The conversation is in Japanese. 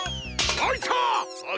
あいたっ！